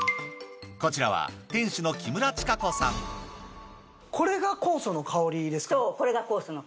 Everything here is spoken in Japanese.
こちらはこれが酵素の香り。